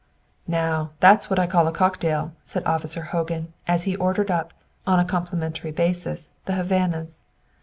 "Now, that's what I call a cocktail," said Officer Hogan, as he ordered up (on a complimentary basis) the Havanas.